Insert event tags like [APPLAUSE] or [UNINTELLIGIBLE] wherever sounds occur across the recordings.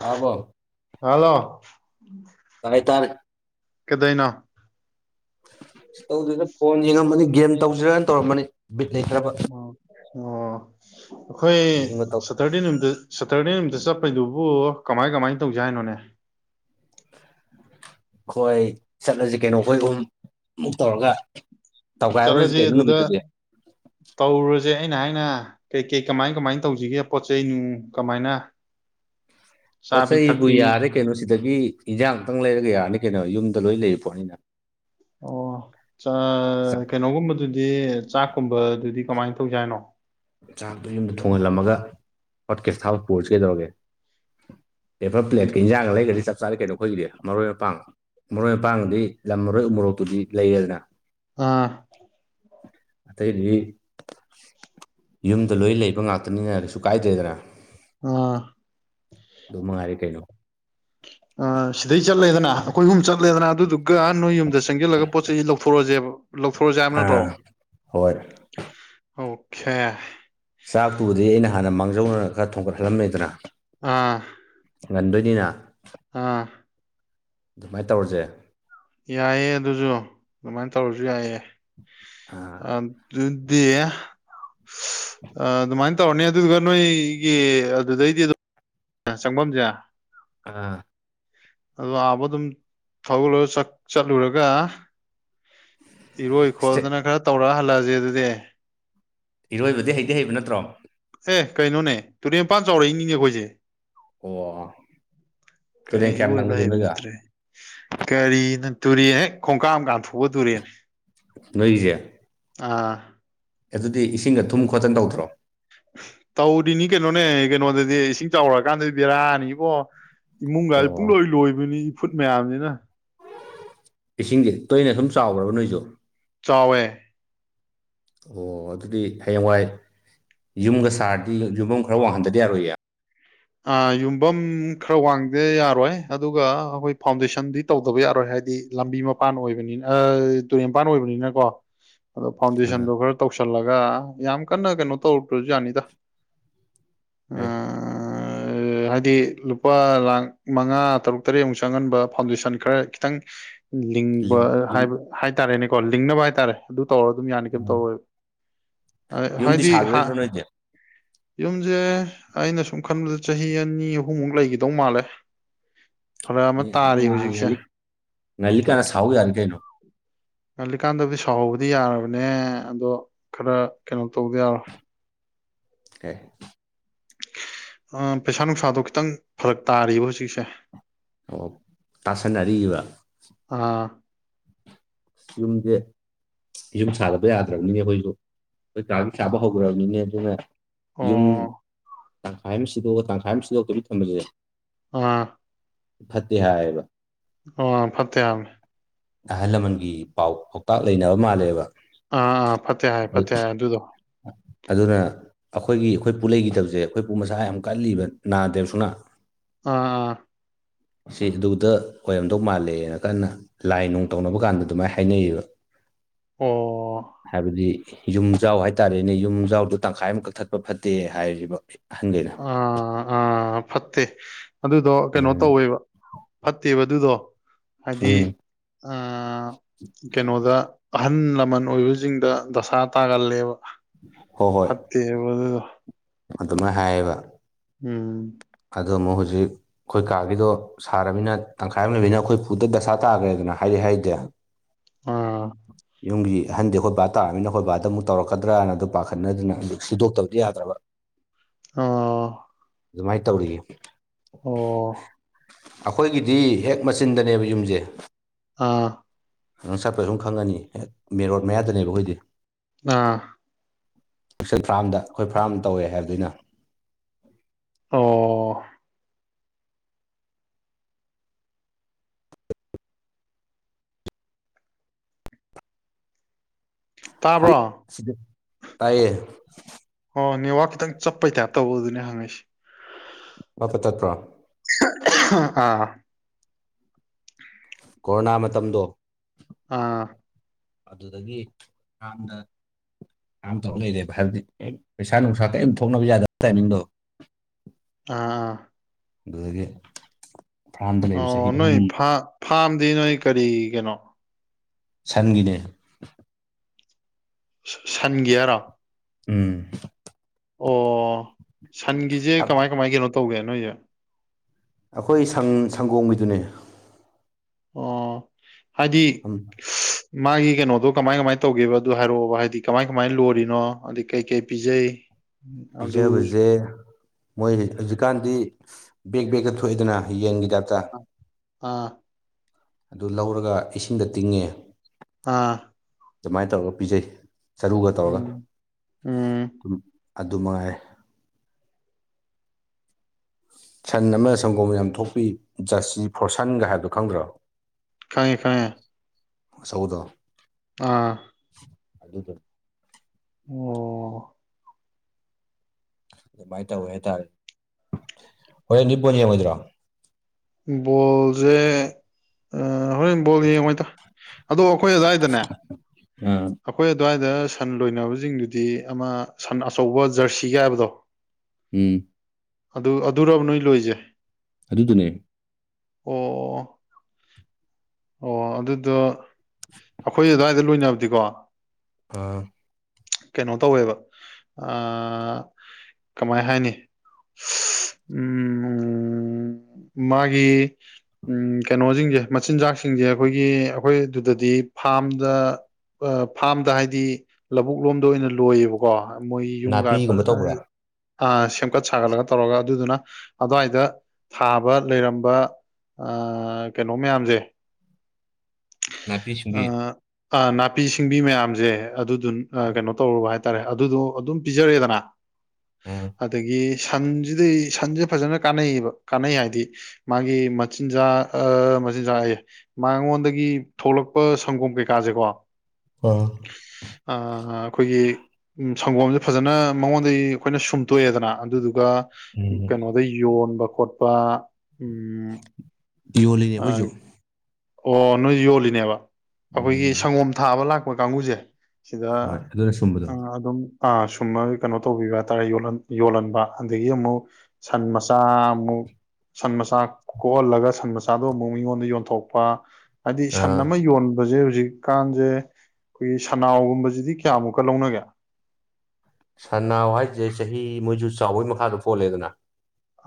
ꯇꯥꯕ꯭ꯔꯣ ꯍꯜꯂꯣ ꯇꯥꯏ ꯇꯥꯔꯦ ꯀꯗꯩꯅꯣ ꯇꯧꯗ‌ꯦꯗ ꯐꯣꯟ ꯌꯦꯡꯉꯝꯕꯅꯤ ꯒꯦꯝ ꯇꯧꯁꯤꯔꯅ ꯇꯧꯔꯝꯕꯅꯤ ꯕꯤꯠ ꯂꯩꯇꯔꯥꯕ ꯑꯣ ꯑꯣ ꯑꯩꯈꯣꯏ ꯒꯦꯝꯒ ꯇꯧ ꯁꯇꯔꯗꯦ ꯅꯨꯃꯤꯠꯇ ꯁꯇꯔꯗꯦ ꯅꯨꯃꯤꯠꯇ ꯆꯠꯄꯩꯗꯨꯕꯨ ꯀꯃꯥꯏ ꯀꯃꯥꯏꯅ ꯇꯧꯁ‌ꯦ ꯍꯥꯏꯅꯣꯅꯦ ꯑꯈꫭꯏ ꯆꯠꯂꯁꯤ ꯀꯩꯅꯣ ꯑꯩꯈꯣꯏ ꯑꯍꯨꯝ ꯃꯨꯛ ꯇꯧꯔꯒ ꯇꯧꯒꯥꯏꯔꯨꯔꯁꯤ ꯆꯠꯂꯁꯦ ꯀꯩꯅꯣ ꯑꯗꯨꯗ ꯅꯨꯃꯤꯠꯇꯗꯤ ꯇꯧꯔꯨꯔꯁꯦ ꯑꯩꯅ ꯍꯥꯏꯅ ꯀꯩ ꯀꯩ ꯀꯃꯥꯏ ꯀꯃꯥꯏ ꯇꯧꯁꯤꯒꯦ ꯄꯣꯠ ꯆꯩ ꯅꯨꯡ ꯀꯃꯥꯏꯅ ꯄꯣꯠ ꯆꯥꯕꯤ ꯆꯩꯕꯨ ꯊꯛꯄꯤ ꯌꯥꯔꯦ ꯀꯩꯅꯣ ꯁꯤꯗꯒꯤ ꯏꯟꯖꯥꯡꯇꯪ ꯂꯩꯔꯒ ꯌꯥꯔꯅꯤ ꯀꯩꯅꯣ ꯌꯨꯝꯗ ꯂꯣꯏ ꯂꯩꯔꯤ ꯄꯣꯠꯅꯤꯅ ꯑꯣ ꯆꯥ ꯆꯥꯛ ꯀꯩꯅꯣꯒꯨꯝꯕꯗꯨꯗꯤ ꯆꯥꯛꯀꯨꯝꯕꯗꯨꯗꯤ ꯀꯃꯥꯏꯅ ꯇꯧꯖꯦ ꯍꯥꯏꯅꯣ ꯆꯥꯛꯇꯣ ꯌꯨꯝꯗ ꯊꯣꯡꯍꯜꯂꯝꯃꯒ ꯍꯣꯠꯀꯦꯁꯇ ꯍꯥꯞꯄ ꯄꯨꯔꯁꯤ ꯀꯩꯗꯧꯔꯒꯦ ꯄꯦꯄꯔ ꯄ꯭ꯂꯦꯠꯀ ꯏꯟꯖꯥꯡꯒ ꯂꯩꯒ꯭ꯔꯗꯤ ꯆꯞ ꯆꯥꯔꯦ ꯀꯩꯅꯣ ꯈꯣꯏꯒꯤꯗꯤ ꯃꯔꯣꯏ ꯃꯄꯥꯡ ꯃꯔꯣꯏ ꯃꯄꯥꯡꯗꯨꯗꯤ ꯂꯝ ꯃꯔꯣꯏ ꯎ ꯃꯣꯔꯣꯛꯇꯨꯗꯤ ꯂꯩꯔꯦꯗꯅ ꯑꯥ ꯑꯇꯩꯗꯤ ꯌꯨꯝꯗ ꯂꯣꯏ ꯂꯩꯕ ꯉꯥꯛꯇꯅꯤꯅ ꯀꯩꯁꯨ ꯀꯥꯏꯗ꯭ꯔꯦꯗꯅ ꯎꯝ ꯑꯗꯨ ꯃꯉꯥꯏꯔꯦ ꯀꯩꯅꯣ ꯑ ꯁꯤꯗꯩ ꯆꯠꯂꯦꯗꯅ ꯑꯩꯈꯣꯏ ꯑꯍꯨꯝ ꯆꯠꯂꯦꯗꯅ ꯑꯗꯨꯗꯨꯒ ꯅꯣꯏ ꯌꯨꯝꯗ ꯆꯪꯁꯤꯜꯂꯒ ꯄꯣꯠ ꯆꯩꯩꯁꯤ ꯂꯧꯊꯣꯔꯛꯑꯁꯦꯕ ꯂꯧꯊꯣꯛꯑꯁꯦ ꯍꯥꯏꯕ ꯅꯠꯇ꯭ꯔꯣ ꯑꯥ ꯍꯣꯏ ꯑꯣꯀ‌ꯦ ꯆꯥꯛꯇꯨꯕꯨꯗꯤ ꯑꯩꯅ ꯍꯥꯟꯅ ꯃꯥꯡꯖꯧꯅꯅ ꯈꯔ ꯊꯣꯡꯒꯠꯍꯜꯂꯝꯃ‌ꯦꯗꯅ ꯑꯥ ꯉꯟꯗꯣꯏꯅꯤꯅ ꯑꯥ ꯑꯗꯨꯃꯥꯏꯅ ꯇꯧꯔꯁꯦ ꯌꯥꯏꯌꯦ ꯑꯗꯨꯁꯨ ꯑꯗꯨꯃꯥꯏꯅ ꯇꯧꯔꯁꯨ ꯌꯥꯏꯑꯦ ꯑ ꯑꯥ ꯑꯗꯨꯗꯤ ꯑ ꯑꯗꯨꯃꯥꯏꯅ ꯇꯧꯔꯅꯤ ꯑꯗꯨꯒ ꯅꯣꯏꯒꯤ ꯑꯗꯨꯗꯩꯗꯤ ꯑꯗꯨꯝ ꯑ ꯆꯪꯕꯝꯁꯦ ꯑꯥ ꯑꯗꯣ ꯑꯥꯕꯨꯛ ꯑꯗꯨꯝ ꯊꯂꯒ ꯆꯠ ꯆꯠꯂꯨꯔꯒ ꯁ꯭ꯇꯦꯠ ꯏꯔꯣꯏꯈꯣꯠꯇꯅ ꯈꯔ ꯇꯧꯔꯛ ꯍꯜꯂꯛꯑꯁꯦ ꯑꯗꯨꯗꯤ ꯏꯔꯣꯏꯕꯗꯤ ꯍꯩꯗꯤ ꯍꯩꯕ ꯅꯠꯇ꯭ꯔꯣ ꯑꯦ ꯀꯩꯅꯣꯅꯦ ꯇꯨꯔꯦꯟ ꯃꯄꯥꯟ ꯆꯥꯎꯔꯛꯏꯅꯤꯅꯦ ꯑꯩꯈꯣꯏꯁꯦ ꯑꯣ ꯀꯩ ꯇꯨꯔꯦꯟ ꯀꯌꯥꯝ ꯏꯔꯣꯏꯕ ꯅꯛꯅꯒꯦ ꯍꯩꯏꯕ ꯅꯣꯏꯒ ꯅꯠꯇ꯭ꯔꯥꯌ‌ꯦ ꯀꯔꯤꯅꫭ ꯇꯨꯔꯦꯟ ꯍ‌ꯦꯛ ꯈꯣꯡꯀꯥꯞꯃꯥ ꯀꯥꯟꯊꯣꯛꯑꯒ ꯇꯨꯔꯦꯟꯅ‌ꯦ ꯅꯣꯏꯒꯤꯁ‌ꯦ ꯑꯥ ꯑꯗꯨꯗꯤ ꯏꯁꯤꯡꯒ ꯊꯨꯝ ꯈꯣꯠꯇꯅ ꯇꯧꯗ꯭ꯔꯣ ꯇꯧꯔꯤꯅꯤ ꯀꯩꯅꯣꯅꯦ ꯀꯩꯅꯣꯗꯗꯤ ꯏꯁꯤꯡ ꯆꯥꯎꯔꯛꯀꯥꯟꯗꯗꯤ ꯕꯦꯔꯥꯅꯤꯕꯣ ꯏꯃꯨꯡꯒ ꯑꯣ ꯄꯨꯡꯂꯣꯏ ꯂꯣꯏꯕꯤꯅꯤ ꯏꯐꯨꯠ ꯃꯌꯥꯝꯖꯤꯅꯥ ꯏꯁꯤꯡꯗꯤ ꯇꯣꯏꯅ ꯑꯗꯨꯝ ꯆꯥꯎꯕ꯭ꯔꯥꯕ ꯅꯣꯏꯖꯨ ꯆꯥꯎꯋꯦ ꯑꯣ ꯑꯗꯨꯗꯤ ꯍꯌꯦꯡꯋꯥꯏ ꯌꯨꯝꯒ ꯁꯥꯔꯗꯤ ꯌꯨꯝꯐꯝ ꯈꯔ ꯋꯥꯡꯍꯟꯗꯗꯤ ꯌꯥꯔꯣꯏꯌꯦ ꯌꯨꯝꯐꯝ ꯈꯔ ꯋꯥꯡꯗꯥ ꯌꯥꯔꯣꯏ ꯑꯗꯨꯒ ꯑꯩꯈꯣꯏ ꯐꯥꯎꯟꯗꯦꯁꯟꯗꯤ ꯇꯧꯗꯕ ꯌꯥꯔꯣꯏ ꯍꯥꯏꯗꯤ ꯂꯝꯕꯤ ꯃꯄꯥꯟ ꯑꯣꯏꯕꯅꯤꯅ ꯇꯨꯔꯦꯟ ꯃꯄꯥꯟ ꯑꯣꯏꯕꯅꯤꯅꯀꯣ ꯑꯗꯣ ꯑꯥ ꯐꯥꯎꯟꯗꯦꯁꯟꯗꯣ ꯈꯔ ꯇꯧꯁꯜꯂꯒ ꯌꯥꯝ ꯀꯟꯅ ꯀꯩꯅꯣ ꯇꯧꯔꯛꯇ꯭ꯔꯁꯨ ꯌꯥꯅꯤꯗ ꯀꯩ ꯑꯥ ꯍꯥꯏꯗꯤ ꯂꯨꯄꯥ ꯂꯥꯛ ꯃꯉꯥ ꯇꯔꯨꯛ ꯇꯔꯦꯠꯃꯨꯛ ꯆꯪꯍꯟꯕ ꯐꯥꯎꯟꯗꯦꯁꯟ ꯈꯔ ꯈꯤꯇꯪ ꯂꯤꯡꯕ ꯂꯤꯡ ꯂꯤꯡ ꯍꯥꯏꯕ ꯍꯥꯏꯇꯥꯔꯦꯅꯦꯀꯣ ꯂꯤꯡꯅꯕ ꯍꯥꯏꯇꯥꯔꯦ ꯑꯗꯨ ꯇꯧꯔꯒ ꯑꯗꯨꯝ ꯌꯥꯅꯤ ꯀꯩꯝ ꯑꯥ ꯇꯧꯔꯣꯏꯕ ꯍꯥꯏ ꯌꯨꯝꯗꯤ ꯍꯥꯏꯗꯤ ꯁꯥꯈꯤꯔꯣꯏꯗ꯭ꯔꯣ ꯅꯣꯏꯗꯤ ꯌꯨꯝꯖꯦ ꯑꯩꯅ ꯁꯨꯝ ꯈꯟꯕꯗ ꯆꯍꯤ ꯑꯅꯤ ꯑꯍꯨꯝꯃꯨꯛ ꯂꯩꯒꯤꯗꯧ ꯃꯥꯜꯂꯦ ꯐꯔꯛ ꯑꯃ ꯇꯥꯔꯤ ꯍꯧꯖꯤꯛꯁꯦ ꯉꯜꯂꯤ ꯀꯥꯟꯅ ꯁꯥꯎꯎ ꯌꯥꯔꯤ ꯀꯩꯅꯣ ꯉꯜꯂꯤꯀꯥꯟꯗꯕꯨꯗꯤ ꯁꯥꯎꯍꯧꯕꯗꯤ ꯌꯥꯔꯕꯅꯦ ꯑꯗꯣ ꯈꯔ ꯀꯩꯅꯣ ꯇꯧꯗ ꯌꯥꯔꯣꯏ ꯑꯦ ꯄꯩꯁꯥ ꯅꯨꯡꯁꯥꯗꯣ ꯈꯤꯇꯪ ꯐꯔꯛ ꯇꯥꯔꯤꯕ ꯍꯧꯖꯤꯛꯁꯦ ꯑꯣ ꯇꯥꯁꯟꯅꯔꯤꯕ ꯑꯥ ꯌꯨꯝꯗꯦ ꯌꯨꯝ ꯁꯥꯗꯕ ꯌꯥꯗ꯭ꯔꯕꯅꯤꯅꯦ ꯑꯩꯈꫭꯏꯁꯨ ꯑꯩꯈꯣꯏ ꯀꯥꯡꯒꯤ ꯁꯥꯕ ꯍꯧꯈ꯭ꯔꯕꯅꯤꯅꯦ ꯑꯗꯨꯅ ꯑꯣ ꯌꯨꯝ ꯇꯪꯈꯥꯏ ꯑꯃ ꯁꯤꯗꯣꯛꯑꯥ ꯇꯪꯈꯥꯏ ꯑꯃ ꯁꯤꯗꯣꯛꯇꯕꯤ ꯊꯝꯕꯖ‌ꯦ ꯑꯥ ꯐꯠꯇ‌ꯦ ꯍꯥꯏꯕ ꯑꯣ ꯐꯠꯇꯦ ꯍꯥꯝꯃꯦ ꯑꯍꯜ ꯂꯃꯟꯒꯤ ꯄꯥꯎ ꯄꯥꯎꯇꯥꯛ ꯂꯩꯅꯕ ꯃꯥꯜꯂꯦꯕ ꯑꯥ ꯐꯠꯇꯦ ꯍꯥꯏ ꯐꯠꯇꯦ ꯍꯥꯏ ꯑꯗꯨꯗꯣ ꯑꯗꯨꯅ ꯑꯩꯈꯣꯏꯒꯤ ꯑꯩꯈꯣꯏ ꯄꯨ ꯂꯩꯈꯤꯗꯕꯁꯦ ꯑꯩꯈꯣꯏ ꯄꯨ ꯃꯁꯥ ꯌꯥꯝ ꯀꯜꯂꯤꯕ ꯅꯥꯗꯦꯕ ꯁꯨꯛꯅ ꯑꯥ ꯑꯥ ꯑꯁꯤ ꯑꯗꯨꯗ ꯑꯣꯏꯔꯝꯗꯧ ꯃꯥꯜꯂꯦꯅ ꯀꯟꯅ ꯂꯥꯏ ꯅꯨꯡ ꯇꯧꯅꯕ ꯀꯥꯟꯗ ꯑꯗꯨꯃꯥꯏꯅ ꯍꯥꯏꯅꯩꯌꯦꯕ ꯑꯣ ꯍꯥꯏꯕꯗꯤ ꯌꯨꯝꯖꯥꯎ ꯍꯥꯏꯇꯥꯔꯦꯅꯦ ꯌꯨꯝꯖꯥꯎꯗꯣ ꯇꯪꯈꯥꯏ ꯑꯃ ꯀꯛ ꯊꯠꯄ ꯐꯠꯇꯦ ꯍꯥꯏꯔꯤꯕ ꯑꯍꯟꯈꯩꯅ ꯑ ꯑꯥ ꯐꯠꯇꯦ ꯑꯗꯨꯗꯣ ꯀꯩꯅꯣ ꯎꯝ ꯇꯧꯋꯦꯕ ꯐꯠꯇꯦꯕ ꯑꯗꯨꯗꯣ ꯍꯥꯏꯗꯤ ꯎꯝ ꯀꯩꯅꯣꯗ ꯑꯍꯜ ꯂꯃꯟ ꯑꯣꯏꯕꯁꯤꯡꯗ ꯗꯣꯁꯥ ꯇꯥꯒꯜꯂꯦꯕ ꯍꯣꯏ ꯍꯣꯏ ꯐꯠꯇꯦꯕ ꯑꯗꯨꯗꯣ ꯑꯗꯨꯃꯥꯏ ꯍꯥꯏꯌꯦꯕ ꯎꯝ ꯑꯗꯨꯃꯨꯛ ꯍꯧꯖꯤꯛ ꯑꯩꯈꯣꯏ ꯀꯥꯒꯤꯗꯣ ꯁꯥꯔꯅꯤꯅ ꯇꯪꯈꯥꯏ ꯑꯃ ꯂꯩꯝꯅꯤꯅ ꯑꯩꯈꯣꯏ ꯄꯨꯗ ꯗꯁꯥ ꯇꯥꯒ꯭ꯔꯦꯗꯅ ꯍꯥꯏꯗꯤ ꯍꯥꯏ ꯑꯥ ꯌꯨꯝꯒꯤ ꯍꯟꯗꯤ ꯑꯈꫭꯏ ꯕꯥ ꯇꯥꯔꯝꯅꯤꯅ ꯑꯈꯣꯏ ꯕꯥꯗ ꯑꯃꯨꯛ ꯇꯧꯔꯛꯀꯗ꯭ꯔꯥꯅ ꯑꯗꯨ ꯄꯥꯈꯠꯅꯗꯅ ꯑꯗꯨ ꯁꯤꯗꯣꯛꯇꯕꯗꯤ ꯌꯥꯗ꯭ꯔꯕ꯫ ꯑꯣ꯫ ꯑꯗꯨꯃꯥꯏꯅ ꯇꯧꯔꯤꯌꯦ꯫ ꯑꯣ ꯑꯈꯣꯏꯒꯤꯗꯤ ꯍꯦꯛ ꯃꯆꯤꯟꯗꯅꯦꯕ ꯌꯨꯝꯁꯦ꯫ ꯑꯥ꯫ ꯅꯪ ꯆꯠꯄ ꯁꯨꯝ ꯈꯪꯉꯅꯤ ꯍꯦꯛ ꯃꯦꯟ ꯔꯣꯠ ꯃꯌꯥꯗꯅꯦꯕ ꯑꯩꯈꯣꯏꯗꯤ꯫ ꯑꯥ꯫ ꯄꯁꯟ ꯐꯥꯔꯝꯗ ꯑꯩꯈꯣꯏ ꯐꯥꯔꯝ ꯇꯧꯋꯦ ꯍꯥꯏꯕꯗꯣ ꯑꯩꯅ ꯑꯣ ꯇꯥꯕ꯭ꯔꯣ ꯁꯤꯗꯤ ꯇꯥꯏꯌꯦ ꯑꯣ ꯅꯦꯠꯋꯥꯛ ꯈꯤꯇꯪ ꯆꯠꯄꯩ ꯇꯥꯏꯞꯇ ꯇꯧꯕ ꯑꯗꯨꯅꯦ ꯍꯪꯉꯛꯏꯁꯦ ꯄꯠ ꯄꯠ ꯇꯠꯄ꯭ꯔꯣ ꯑꯥ ꯀꯣꯔꯣꯅꯥ ꯃꯇꯝꯗꯣ꯫ ꯑꯥ꯫ ꯑꯗꯨꯗꯒꯤ [UNINTELLIGIBLE] ꯑꯗꯨꯃꯥꯏ ꯇꯧ ꯂꯩꯔꯦꯕ ꯍꯥꯏꯕꯗꯤ ꯄꯩꯁꯥ ꯅꯨꯡꯁꯥ ꯀꯩꯝ ꯊꯣꯛꯅꯕ ꯌꯥꯗꯕ ꯇꯥꯏꯃꯤꯡꯗꯣ꯫ ꯑꯥ ꯑꯥ꯫ ꯑꯗꯨꯗꯒꯤ꯫ ꯐꯥꯔꯝꯗ ꯂꯩꯕ ꯑꯣ ꯆꯍꯤ ꯅꯣꯏ ꯑꯍꯨꯝ ꯐꯥꯝꯗꯤ ꯅꯣꯏ ꯀꯔꯤ ꯀꯩꯅꯣ꯫ ꯁꯟꯒꯤꯅꯦ ꯁꯟꯒꯤ ꯍꯥꯏꯔꯣ꯫ ꯎꯝ꯫ ꯑꯣ ꯁꯟꯒꯤꯁꯦ ꯀꯃꯥꯏ ꯀꯃꯥꯏ ꯀꯩꯅꯣ ꯇꯧꯒꯦ ꯅꯣꯏꯁꯦ꯫ ꯑꯈꯣꯏ ꯁꯟ ꯁꯪꯒꯣꯝꯒꯤꯗꯨꯅꯦ꯫ ꯑꯣ ꯍꯥꯏꯗꯤ꯫ ꯃꯥꯒꯤ ꯀꯩꯅꯣꯗꯣ ꯀꯃꯥꯏ ꯀꯃꯥꯏꯅ ꯇꯧꯒꯦꯕ ꯑꯗꯨ ꯍꯥꯏꯔꯛꯑꯣꯕ ꯍꯥꯏꯗꯤ ꯀꯃꯥꯏ ꯀꯃꯥꯏꯅ ꯂꯣꯔꯤꯅꯣ ꯑꯗꯩ ꯀꯩ ꯀꯩ ꯄꯤꯖꯩ꯫ ꯑꯗꯨ ꯄꯤꯖꯕꯖꯦ ꯃꯣꯏ ꯍꯧꯖꯤꯛꯀꯥꯟꯗꯤ ꯕꯦꯛ ꯕꯦꯛꯇ ꯊꯣꯛꯑꯦꯗꯅ ꯌꯦꯟꯒꯤ ꯇꯥꯏꯄꯇ꯫ ꯑꯥ꯫ ꯑꯗꯨ ꯂꯧꯔꯒ ꯏꯁꯤꯡꯗ ꯇꯤꯡꯉꯦ꯫ ꯑꯥ ꯑꯗꯨꯃꯥꯏꯅ ꯇꯧꯔꯒ ꯄꯤꯖꯩ ꯆꯔꯨꯒ ꯇꯧꯔꯒ ꯎꯝ ꯎꯝ ꯑꯗꯨꯝ ꯑꯗꯨꯃꯉꯥꯏꯔ‌ꯦ꯫ ꯁꯟ ꯑꯃ ꯁꯪꯒꯣꯝ ꯌꯥꯝ ꯊꯣꯛꯄꯤ ꯖꯔꯁꯤ ꯐꯣꯔꯁꯟꯒ ꯍꯥꯏꯕꯗꯣ ꯈꯪꯗ꯭ꯔꯣ꯫ ꯈꯪꯉꯦ ꯈꯪꯉꯦ꯫ ꯑꯆꯧꯕꯗꫭ꯫ ꯑꯥ꯫ ꯑꯗꯨꯗꯨ꯫ ꯑꯣ꯫ ꯑꯗꯨꯃꯥꯏꯅ ꯇꯧꯋꯦ ꯍꯥꯏꯇꯥꯔꯦ ꯍꯣꯔꯦꯟꯗꯤ ꯕꫭꯜ ꯌꯦꯡꯉꯣꯏꯗ꯭ꯔꯣ꯫ ꯕꯣꯜꯖ‌ꯦ꯫ ꯍꯣꯔꯦꯟ ꯕꯣꯜ ꯌꯦꯡꯉꯣꯏꯗ ꯑꯗꯣ ꯑꯩꯈꯣꯏ ꯑꯗꯥꯏꯗꯅꯦ꯫ ꯑ ꯑꯩꯈꯣꯏ ꯑꯗꯨꯋꯥꯏꯗ꯫ ꯁꯟ ꯂꯣꯏꯅꯕꯁꯤꯡꯗꯨꯗꯤ ꯑꯃ ꯁꯟ ꯑꯆꯧꯕ ꯖꯔꯁꯤꯒ ꯍꯥꯏꯕꯗꯣ꯫ ꯎꯝ꯫ ꯑꯗꯨ ꯑꯗꯨꯔꯕ ꯅꯣꯏ ꯂꯣꯏꯁꯦ꯫ ꯑꯗꯨꯗꯨꯅꯦ꯫ ꯑꯣ ꯑꯣ ꯑꯗꯨꯗꯣ ꯑꯩꯈꯣꯏ ꯑꯗꯨꯋꯥꯏꯗ ꯂꯣꯏꯅꯕꯗꯤꯀꯣ ꯑꯥ ꯀꯩꯅꯣ ꯇꯧꯋꯦꯕ ꯀꯃꯥꯏ ꯍꯥꯏꯅꯤ ꯎꯝ ꯎꯝ ꯃꯥꯒꯤ ꯎꯝ ꯀꯩꯅꯣꯁꯤꯡꯁꯦ ꯃꯆꯤꯟꯖꯥꯛꯁꯤꯡꯁꯦ ꯑꯩꯈꯣꯏꯒꯤ ꯑꯩꯈꯣꯏ ꯑꯗꯨꯗꯗꯤ ꯐꯥꯔꯝꯗ ꯐꯥꯔꯝꯗ ꯍꯥꯏꯗꯤ ꯂꯧꯕꯨꯛ ꯂꯣꯝꯗ ꯑꯣꯏꯅ ꯂꯣꯏꯌꯦꯕꯀꯣ ꯃꯣꯏ ꯌꯨꯝꯒ ꯅꯥꯄꯤꯒꯨꯝꯕ ꯐꯖꯅ ꯇꯧꯕ꯭ꯔꯥ ꯑꯃꯥ ꯁꯦꯝꯒꯠ ꯁꯥꯒꯠꯂꯒ ꯇꯧꯔꯒ ꯑꯗꯨꯗꯨꯅ ꯑꯗꯨꯋꯥꯏꯗ ꯊꯥ꯫ ꯂꯩꯔꯝꯕ ꯑꯥ ꯀꯩꯅꯣ ꯃꯌꯥꯝꯁꯦ꯫ ꯅꯥꯄꯤ ꯁꯤꯡꯕꯤ ꯑ ꯅꯥꯄꯤ ꯁꯤꯡꯕꯤ ꯃꯌꯥꯝꯁꯦ ꯑꯗꯨꯗꯨ ꯀꯩꯅꯣ ꯇꯧꯔꯒ ꯍꯥꯏ꯫ ꯍꯥꯏꯇꯥꯔꯦ ꯑꯗꯨꯗꯣ ꯑꯗꯨꯝ ꯄꯤꯖꯔ‌ꯦꯗꯅ꯫ ꯎꯝ꯫ ꯑꯗꯒꯤ ꯁꯟꯁꯤꯗꯤ ꯁꯟꯁꯦ ꯐꯖꯅ ꯀꯥꯟꯅꯩꯌꯦꯕ ꯀꯥꯟꯅꯩ ꯍꯥꯏꯗꯤ꯫ ꯃꯥꯒꯤ ꯃꯆꯤꯟꯖꯥꯛ ꯃꯆꯤꯟꯖꯥꯛ ꯍꯥꯏꯌꯦ ꯃꯉꯣꯟꯗꯒꯤ꯫ ꯒꯤ ꯊꯣꯛꯂꯛꯄ ꯁꯪꯒꯣꯝ ꯀꯩꯀꯥꯁꯦꯀꯣ꯫ ꯑꯣ ꯑꯥ ꯑꯩꯈꯣꯏꯒꯤ ꯎ ꯁꯪꯒꯣꯝꯖꯦ ꯐꯖꯅ ꯃꯉꯣꯟꯗꯒꯤ ꯑꯩꯈꯣꯏꯅ ꯁꯨꯝꯇꯣꯛꯑꯦꯗꯅ ꯑꯗꯨꯗꯨꯒ ꯎꯝ ꯀꯩꯅꯣꯗ ꯌꯣꯟꯕ ꯈꯣꯠꯄ ꯎꯝ ꯌꯣꯜꯂꯤꯅꯦ ꯑꯥ ꯑꯩꯈꯣꯏꯖꯨ ꯑꯣ ꯅꯣꯏ ꯌꯣꯜꯂꯤꯅꯦꯕ ꯑꯩꯈꯣꯏꯒꯤ ꯎꯝ ꯁꯪꯒꯣꯝ ꯊꯥꯕ ꯂꯥꯛꯄ ꯀꯥꯡꯕꯨꯖꯦ ꯍꯣꯏ ꯁꯤꯗ ꯑꯗꯨꯅ ꯁꯨꯝꯕꯗꯣ ꯑꯗꯨꯝ ꯑ ꯁꯨꯝꯃ ꯀꯩꯅꯣ ꯇꯧꯕꯤꯕ ꯍꯥꯏꯇꯥꯔꯦ ꯌꯣꯜꯍꯟꯕ ꯑꯗꯒꯤ ꯑꯃꯨꯛ ꯁꯟ ꯃꯆꯥ ꯑꯃꯨꯛ ꯁꯟ ꯃꯆꯥ ꯀꯣꯛꯍꯜꯂꯒ ꯁꯟ ꯃꯆꯥꯗꯣ ꯑꯃꯨꯛ ꯃꯤꯉꯣꯟꯗ ꯌꯣꯟꯊꯣꯛ ꯍꯥꯏꯗꯤ ꯑ ꯁꯟ ꯑꯃ ꯌꯣꯟꯕꯖꯦ ꯍꯧꯖꯤꯛ ꯀꯥꯟꯁꯦ ꯑꯩꯈꯣꯏꯒꯤ ꯁꯅꯥꯎꯒꯨꯝꯕꯖꯤꯗꯤ ꯀꯌꯥꯃꯨꯛꯀ ꯂꯧꯅꯒꯦ ꯁꯅꯥꯎ ꯍꯥꯏꯁꯦ ꯆꯍꯤ ꯃꯣꯏꯁꯨ ꯆꯥꯎꯕꯒꯤ ꯃꯈꯥꯗꯤ ꯄꯣꯜꯂꯦꯗꯅ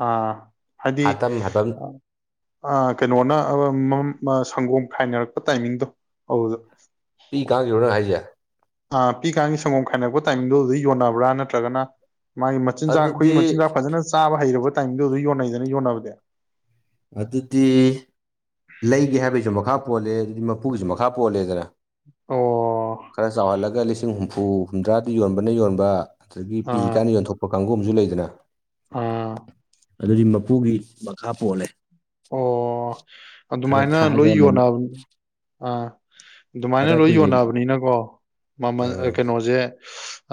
ꯑꯥ ꯍꯥꯏꯗꯤ ꯍꯥꯇꯝ ꯍꯥꯏꯕꯝ ꯑ ꯀꯩꯅꯣꯅ ꯁꯪꯒꯣꯝ ꯈꯥꯏꯅꯔꯛꯄ ꯇꯥꯏꯃꯤꯡꯗꯣ ꯑꯗꯨꯗ ꯄꯤꯛꯏꯀꯥꯟꯒꯤꯔꯤ ꯅꯪ ꯍꯥꯏꯁꯦ ꯑ ꯄꯤꯛꯏꯀꯥꯟꯒꯤ ꯁꯪꯒꯣꯝ ꯈꯥꯏꯅꯔꯛꯄ ꯇꯥꯏꯃꯤꯡꯗꯤ ꯑꯗꯨꯗ ꯌꯣꯟꯅꯕ꯭ꯔꯥ ꯅꯠꯇ꯭ꯔꯒꯅ ꯃꯥꯒꯤ ꯃꯆꯤꯟꯖꯥꯛ ꯑꯗꯨꯗꯤ ꯑꯩꯈꯣꯏꯒꯤ ꯃꯆꯤꯟꯖꯥꯛ ꯐꯖꯅ ꯆꯥꯕ ꯍꯩꯔꯕ ꯇꯥꯏꯃꯤꯡꯗꯨꯗ ꯌꯣꯟꯅꯩꯗꯅ ꯌꯣꯟꯅꯕꯗꯤ ꯑꯗꯨꯗꯤ ꯂꯩꯒꯦ ꯍꯥꯏꯕꯒꯤꯁꯨ ꯃꯈꯥ ꯄꯣꯜꯂꯦ ꯑꯗꯨꯗꯤ ꯃꯄꯨꯒꯤꯁꯨ ꯃꯈꯥ ꯄꯣꯜꯂꯦꯗꯅ ꯑꯣ ꯈꯔ ꯆꯥꯎꯍꯜꯂꯒ ꯂꯤꯁꯤꯡ ꯍꯨꯝꯐꯨ ꯍꯨꯝꯗ꯭ꯔꯥꯗ ꯌꯣꯟꯕꯅ ꯌꯣꯟꯕ ꯑꯗꯒꯤ ꯄꯤꯛꯏ ꯑꯥ ꯀꯥꯟꯅ ꯌꯣꯟꯊꯣꯛꯄ ꯀꯥꯡꯕꯨ ꯑꯝꯖꯨ ꯂꯩꯗꯅ ꯑ ꯑꯗꯨꯗꯤ ꯃꯄꯨꯒꯤ ꯃꯈꯥ ꯄꯣꯜꯂꯦ ꯑꯣ ꯈꯔ ꯑꯗꯨꯃꯥꯏꯅ ꯊꯥꯛꯑꯒ ꯂꯣꯏ ꯌꯣꯟꯅ ꯃꯃꯜ ꯑꯥ ꯑꯗꯨꯃꯥꯏꯅ ꯈꯔ ꯂꯣꯏ ꯀꯨꯏꯅ ꯌꯣꯟꯅꯕꯅꯤꯅꯀꯣ ꯃꯃꯜ ꯑ ꯀꯩꯅꯣꯖꯦ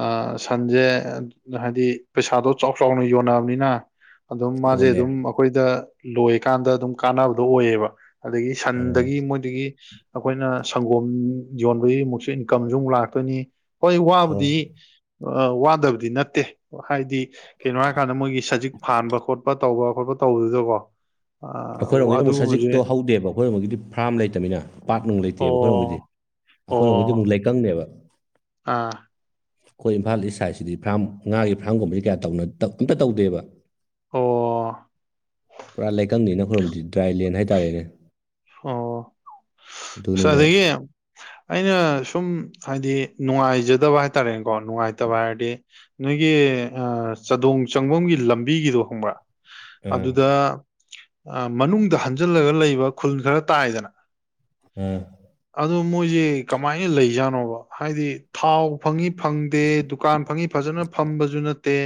ꯑ ꯁꯟꯖꯦ ꯍꯥꯏꯗꯤ ꯄꯩꯁꯥꯗꯣ ꯆꯥꯎ ꯆꯥꯎꯅ ꯌꯣꯟꯕꯅꯤꯅ ꯑꯗꯨꯝ ꯃꯥꯖꯦ ꯌꯣꯜꯂꯦ ꯑꯗꯨꯝ ꯑꯩꯈꯣꯏꯗ ꯂꯣꯏꯀꯥꯟꯗ ꯑꯗꯨꯝ ꯀꯥꯟꯅꯕꯗꯣ ꯑꯣꯏꯌꯦꯕ ꯑꯗꯒꯤ ꯑ ꯁꯟꯗꯒꯤ ꯃꯣꯏꯗꯒꯤ ꯑꯩꯈꯣꯏꯅ ꯁꯪꯒꯣꯝ ꯌꯣꯟꯕꯒꯤ ꯑꯃꯨꯛꯁꯨ ꯏꯟꯀꯝꯁꯨ ꯑꯃꯨꯛ ꯂꯥꯛꯇꯣꯏꯅꯤ ꯍꯣꯏ ꯋꯥꯕꯨꯗꯤ ꯋꯥꯗꯕꯗꯤ ꯅꯠꯇꯦ ꯍꯥꯏꯗꯤ ꯀꯩꯅꯣ ꯍꯥꯏꯔꯀꯥꯟꯗ ꯃꯣꯏꯒꯤ ꯁꯖꯤꯛ ꯐꯥꯟꯕ ꯈꯣꯠꯄ ꯇꯧꯕ ꯈꯣꯠꯄ ꯇꯧꯕꯗꯨꯗꯀꯣ ꯑ ꯑꯩꯈꯣꯏꯔꯣꯝꯒꯤꯅ ꯑꯃꯨꯛ ꯑꯗꯨꯒꯨꯝꯕꯁꯦ ꯁꯖꯤꯛꯇꯣ ꯍꯧꯗꯦꯕ ꯑꯩꯈꯣꯏꯔꯣꯝꯒꯤꯗꯤ ꯐꯥ꯭ꯔꯝ ꯂꯩꯇꯃꯤꯅ ꯄꯥꯠ ꯅꯨꯡ ꯂꯩꯇꯦꯕ ꯑꯩꯈꯣꯏꯔꯣꯝꯒꯤꯗꯤ ꯑꯣ ꯑꯩꯈꯣꯏꯅꯈꯩꯗꯤ ꯑꯣ ꯑꯃꯨꯛ ꯂꯩꯀꯪꯅꯦꯕ ꯑꯥ ꯑꯩꯈꯣꯏ ꯏꯝꯐꯥꯜ ꯏꯁ ꯁꯥꯏꯠꯁꯤꯗꯤ ꯐꯥ꯭ꯔꯝ ꯉꯥꯒꯤ ꯐꯥ꯭ꯔꯝꯒꯨꯝꯕꯁꯤ ꯀꯌꯥ ꯇ ꯑꯝꯇ ꯇꯧꯗꯦꯕ ꯑꯣ ꯄꯨꯔꯥ ꯂꯩꯀꯪꯅꯤꯅ ꯑꯈꯣꯏꯔꯣꯝ ꯑꯥꯏꯂꯦꯟ ꯍꯥꯏꯇꯥꯔꯦꯅꯦ ꯑꯣ ꯑꯁ ꯑꯗꯨꯅꯤꯅ ꯑꯗꯒꯤ ꯑꯩꯅ ꯁꯨꯝ ꯍꯥꯏꯗꯤ ꯅꯨꯡꯉꯥꯏꯖꯗꯕ ꯍꯥꯏ ꯇꯥꯔꯦꯀꯣ ꯅꯨꯡꯉꯥꯏꯇꯕ ꯍꯥꯏꯔꯗꯤ ꯅꯣꯏꯒꯤ ꯆꯥꯗꯣꯡ ꯆꯪꯐꯝꯒꯤ ꯂꯝꯕꯤꯒꯤꯗꯣ ꯈꯪꯕ꯭ꯔꯥ ꯑꯥ ꯑꯗꯨꯗ ꯃꯅꯨꯡꯗ ꯍꯟꯖꯜꯂꯒ ꯂꯩꯕ ꯈꯨꯜ ꯈꯔ ꯇꯥꯏꯗꯅ ꯎ ꯑꯗꯨ ꯃꯣꯏꯖꯦ ꯀꯃꯥꯏꯅ ꯂꯩꯖꯥꯠꯅꯣꯕ ꯍꯥꯏꯗꯤ ꯊꯥꯎ ꯐꯪꯏꯤ ꯐꯪꯗꯦ ꯗꯨꯀꯥꯟ ꯐꯪꯉꯤ ꯐꯖꯅ ꯐꯝꯕꯁꯨ ꯅꯠꯇꯦ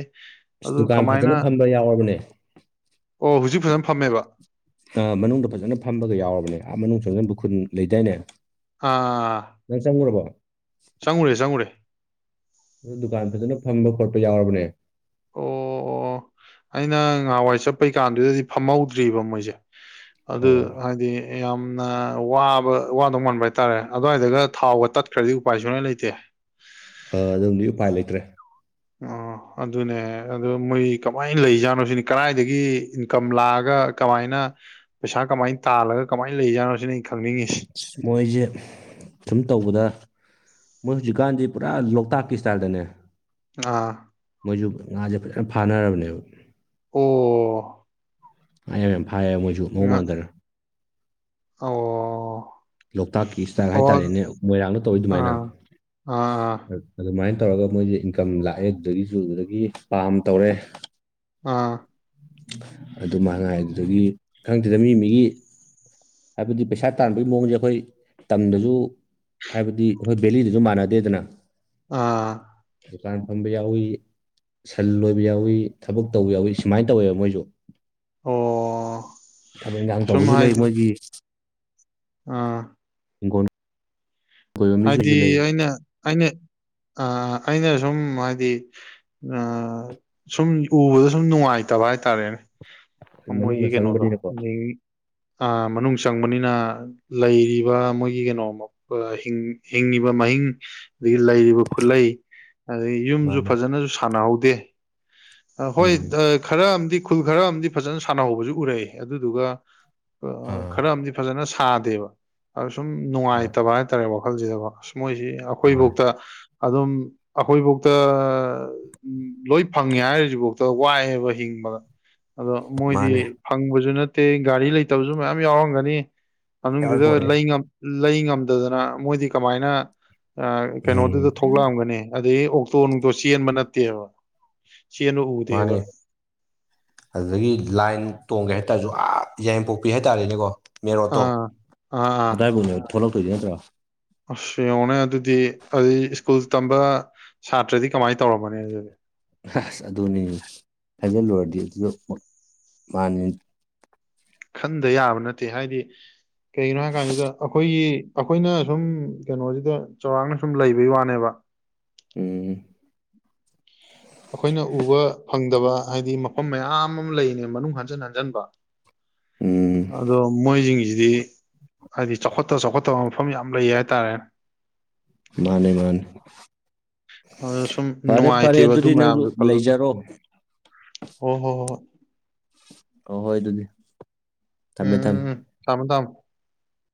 ꯑꯗꯨ ꯀꯃꯥꯏꯅ ꯀ ꯌꯥꯎꯕꯅꯦ ꯑꯣ ꯍꯧꯖꯤꯛ ꯐꯖꯅ ꯐꯝꯃꯦꯕ ꯑ ꯃꯅꯨꯡꯗ ꯐꯖꯅ ꯐꯝꯕꯒ ꯌꯥꯎꯔꯕꯅꯦ ꯑꯥ ꯃꯅꯨꯡ ꯆꯪꯖꯟꯕ ꯈꯨꯟ ꯂꯩꯗꯥꯏꯅꯦ ꯑꯥ ꯅꯪ ꯆꯪꯉꯨꯔꯕꯣ ꯆꯪꯉꯨꯔꯦ ꯆꯪꯉꯨꯔꯦ ꯑꯗꯨ ꯗꯨꯀꯥꯟ ꯐꯖꯅ ꯐꯪꯕ ꯈꯣꯠꯄ ꯌꯥꯎꯔꯕꯅꯦ ꯑꯣ ꯑꯣ ꯑꯩꯅ ꯉꯍꯥꯟꯋꯥꯏ ꯆꯠꯄꯩꯀꯥꯟꯗꯨꯗꯗꯤ ꯐꯝꯍꯧꯗ꯭ꯔꯤꯕ ꯃꯣꯏꯁꯦ ꯑꯣ ꯑꯗꯨ ꯍꯥꯏꯗꯤ ꯌꯥꯝꯅ ꯋꯥꯕ ꯋꯥꯗꯧ ꯃꯥꯟꯕ ꯍꯥꯏꯇꯥꯔꯦ ꯑꯗꯨꯋꯥꯏꯗꯒ ꯊꯥꯎꯒ ꯇꯠꯈ꯭ꯔꯗꯤ ꯎꯄꯥꯏ ꯁꯨꯛꯂꯩ ꯂꯩꯇꯦ ꯑ ꯑꯗꯣꯝꯗꯤ ꯎꯄꯥꯏ ꯂꯩꯇ꯭ꯔꯦ ꯑꯣ ꯑꯗꯨꯅꯦ ꯑꯗꯣ ꯃꯣꯏ ꯀꯃꯥꯏꯅ ꯂꯩꯖꯥꯠꯅꯣ ꯁꯤꯅꯤ ꯀꯔꯥꯏꯗꯒꯤ ꯏꯟꯀꯝ ꯂꯥꯛꯑꯒ ꯀꯃꯥꯏꯅ ꯄꯩꯁꯥ ꯀꯃꯥꯏ ꯇꯥꯜꯂꯒ ꯀꯃꯥꯏ ꯂꯩꯖꯥꯠꯅꯣ ꯁꯤꯅꯤ ꯑꯩ ꯈꯪꯅꯤꯡꯉꯤꯁꯤ ꯃꯣꯏꯖꯦ ꯁꯨꯝ ꯇꯧꯕꯗ ꯃꯣꯏ ꯍꯧꯖꯤꯛꯀꯥꯟꯗꯤ ꯄꯨꯔꯥ ꯂꯣꯛꯇꯥꯛꯀꯤ ꯁ꯭ꯇꯥꯏꯜꯗꯅꯦ ꯑꯥ ꯃꯣꯏꯖꯨ ꯉꯥꯁꯦ ꯐꯖꯅ ꯐꯥꯅꯔꯕꯅꯦꯕ ꯑꯣ ꯐꯥꯏꯌꯦ ꯌꯥꯝ ꯐꯥꯏꯌꯦ ꯃꯣꯏꯖꯨ ꯉꯥ ꯃꯑꯣꯡꯃꯥꯟꯗꯅ ꯑꯣ ꯂꯣꯛꯇꯥꯛꯀꯤ ꯏꯁꯇꯥꯏꯜ ꯑꯣ ꯍꯥꯏꯇꯥꯔꯦꯅꯦ ꯃꯣꯏꯔꯥꯡꯅ ꯇꯧꯏ ꯑꯗꯨꯃꯥꯏꯅ ꯑꯥ ꯑꯥ ꯑꯗꯨꯃꯥꯏꯅ ꯇꯧꯔꯒ ꯃꯣꯏꯁꯦ ꯏꯟꯀꯝ ꯂꯥꯛꯑꯦ ꯑꯗꯨꯗꯒꯤ ꯄꯥꯝ ꯇꯧꯔꯦ ꯑꯥ ꯑꯗꯨ ꯃꯉꯥꯏ ꯑꯗꯨꯗꯒꯤ ꯈꯪꯗꯦꯗ ꯃꯤ ꯃꯤꯒꯤ ꯍꯥꯏꯕꯗꯤ ꯄꯩꯁꯥ ꯇꯥꯟꯕꯒꯤ ꯃꯑꯣꯡꯖꯦ ꯑꯩꯈꯣꯏ ꯇꯝꯗꯁꯨ ꯍꯥꯏꯕꯗꯤ ꯑꯈꯣꯏ ꯕꯦꯂꯤꯗꯖꯨ ꯃꯥꯟꯅꯗꯦꯗꯅ ꯑꯥ ꯗꯨꯀꯥꯟ ꯐꯝꯕ ꯌꯥꯎꯏ ꯁꯜ ꯂꯣꯏꯕ ꯌꯥꯎꯏꯤ ꯊꯕꯛ ꯇꯧꯕ ꯌꯥꯎꯏꯤ ꯁꯨꯃꯥꯏ ꯇꯧꯋꯦꯕ ꯃꯣꯏꯖꯨ ꯑꯣ ꯊꯕꯛ ꯏꯪꯒꯥꯡ ꯁꯨꯝ ꯇꯧꯕꯖꯨ ꯂꯩ ꯍꯥꯏꯗꯤ ꯃꯣꯏꯒꯤ ꯑꯥ ꯏꯪꯒꯣꯟ ꯍꯥꯏꯗꯤ ꯑꯩꯅ ꯑꯩꯅ ꯑ ꯑꯩꯅ ꯁꯨꯝ ꯍꯥꯏꯗꯤ ꯑꯥ ꯁꯨꯝ ꯎꯕꯗ ꯁꯨꯝ ꯅꯨꯡꯉꯥꯏꯇꯕ ꯍꯥꯏꯇꯥꯔꯦꯅꯦ ꯑꯃꯣꯏꯒꯤ ꯃꯅꯨꯡꯗ ꯀꯩꯅꯣꯗꯣ ꯆꯪꯕꯅꯤꯅꯀꯣ ꯑꯗꯒꯤ ꯑ ꯃꯅꯨꯡ ꯆꯪꯕꯅꯤꯅ ꯂꯩꯔꯤꯕ ꯃꯣꯏꯒꯤ ꯀꯩꯅꯣ [UNINTELLIGIBLE] ꯍꯤꯡ ꯍꯤꯡꯉꯤꯕ ꯃꯍꯤꯡ ꯑꯗꯒꯤ ꯂꯩꯔꯤꯕ ꯈꯨꯂꯩ ꯑꯗꯩ ꯌꯨꯝꯖꯨ ꯃꯥꯅꯦ ꯐꯖꯅꯁꯨ ꯁꯥꯟꯅꯍꯧꯗꯦ ꯑ ꯍꯣꯏ ꯎꯝ ꯗ ꯈꯔ ꯑꯃꯗꯤ ꯈꯨꯜ ꯈꯔ ꯑꯃꯗꯤ ꯐꯖꯅ ꯁꯥꯟꯅꯍꯧꯕꯁꯨ ꯎꯔꯛꯑꯦ ꯑꯗꯨꯗꯨꯒ ꯑ ꯑꯥ ꯈꯔ ꯑꯃꯗꯤ ꯐꯖꯅ ꯁꯥꯗꯦꯕ ꯑꯗ ꯁꯨꯝ ꯍꯣꯏ ꯅꯨꯡꯉꯥꯏꯇꯕ ꯍꯥꯏ ꯍꯥꯏ ꯇꯔꯦ ꯋꯥꯈꯜꯖꯤꯗꯀꯣ ꯃꯣꯏꯖꯤ ꯃꯥꯅꯦ ꯑꯩꯈꯣꯏꯕꯧꯇ ꯑꯗꯨꯝ ꯑꯩꯈꯣꯏꯐꯧꯇ ꯑ ꯎꯝ ꯂꯣꯏ ꯐꯪꯉꯦ ꯍꯥꯏꯔꯤꯁꯤꯐꯥꯎꯗ ꯋꯥꯏꯑꯦꯕ ꯍꯤꯡꯕꯗ ꯑꯗꯣ ꯃꯣꯏꯗꯤ ꯃꯥꯅꯦ ꯐꯪꯕꯖꯨ ꯅꯠꯇꯦ ꯒꯥꯔꯤ ꯂꯩꯇꯕꯖꯨ ꯃꯌꯥꯝ ꯌꯥꯎꯔꯝꯒꯅꯤ ꯌꯥꯎꯔꯤ ꯃꯅꯨꯡꯗꯨꯗ ꯄꯣꯠꯅꯤ ꯂꯩ ꯉꯝ ꯂꯩ ꯉꯝꯗꯗꯅ ꯃꯣꯏꯗꯤ ꯀꯃꯥꯏꯅ ꯀꯩꯅꯣꯗꯨꯗ ꯎꯝ ꯊꯣꯛꯂꯛꯑꯝꯒꯅꯤ ꯑꯗꯒꯤ ꯑꯣꯛ ꯇꯣ ꯅꯨꯡꯇꯣ ꯆꯦꯟꯕ ꯅꯠꯇꯦꯕ ꯆꯦꯟꯕ ꯎ ꯃꯥꯟꯅꯦ ꯑꯗꯨꯗꯒꯤ ꯂꯥꯏꯟ ꯇꯣꯡꯒꯦ ꯍꯥꯏꯇꯥꯔꯁꯨ ꯑꯥ ꯌꯥꯏꯉꯡꯄꯣꯛꯄꯤ ꯍꯥꯏꯇꯥꯔꯦꯅꯦꯀꯣ ꯃꯦꯔꯣꯠꯇꯣ ꯑꯥ ꯑꯥ ꯑꯥ ꯑꯗꯥꯏꯕꯧꯅꯦꯕ ꯊꯣꯛꯂꯛꯇꯣꯏꯖꯦ ꯅꯠꯇ꯭ꯔꯥ ꯑꯁ ꯌꯦꯡꯉꯣꯅꯦ ꯑꯗꯨꯗꯤ ꯑꯗꯨꯏ ꯁ꯭ꯀꯨꯜ ꯇꯝꯕ ꯁꯥꯇ꯭ꯔꯗꯤ ꯀꯃꯥꯏ ꯇꯧꯔꯝꯕꯅꯦ ꯑꯗꯨꯗꯤ ꯍꯁ ꯑꯗꯨꯅꯤ ꯈꯟꯖꯤꯜꯂꯨꯔꯗꯤ ꯑꯗꯨ ꯃꯥꯟꯅꯤ ꯈꯟꯗ ꯌꯥꯕ ꯅꯠꯇꯦ ꯍꯥꯏꯗꯤ ꯀꯩꯒꯤꯅꯣ ꯍꯥꯏ ꯀꯥꯟꯗꯨꯗ ꯑꯩꯈꯣꯏꯒꯤ ꯑꯈꯣꯏꯅ ꯁꯨꯝ ꯀꯩꯅꯣꯖꯤꯗ ꯆꯥꯎꯔꯥꯛꯅ ꯁꯨꯝ ꯂꯩꯕꯩ ꯋꯥꯅꯦꯕ ꯎꯝ ꯑꯩꯈꯣꯏꯅ ꯎꯕ ꯐꯪꯗꯕ ꯍꯥꯏꯗꯤ ꯃꯐꯝ ꯃꯌꯥꯝ ꯑꯃ ꯂꯩꯅꯦ ꯃꯅꯨꯡ ꯍꯟꯖꯟ ꯍꯟꯖꯟꯕ ꯎꯝ ꯑꯗꯣ ꯃꯣꯏꯁꯤꯡꯁꯤꯗꯤ ꯍꯥꯏꯗꯤ ꯆꯥꯎꯈꯠꯇ ꯆꯥꯎꯈꯠꯇꯕ ꯃꯐꯝ ꯌꯥꯝ ꯂꯩ ꯍꯥꯏꯇꯥꯔꯦ ꯃꯥꯟꯅꯤ ꯃꯥꯟꯅꯤ ꯑ ꯁꯨꯝ ꯅꯨꯡꯉꯥꯏꯇꯦꯕ ꯑꯗꯨ ꯑꯗꯨꯗꯤ ꯅꯪꯁꯨ ꯃꯌꯥꯝꯗꯣ ꯈꯜꯂꯨ ꯂꯩꯖꯔꯣ ꯍꯣꯏ ꯍꯣ ꯍꯣ ꯍꯣꯏ ꯍꫭ ꯍꯣꯏ ꯑꯗꯨꯗꯤ ꯎꯝ ꯊꯝꯃꯦ ꯊꯝꯃꯦ ꯎꯝ ꯊꯝꯃꫭ ꯊꯝꯃꫭ